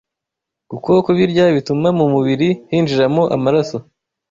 Kuko kubirya bituma mu mubiri hinjiramo amaraso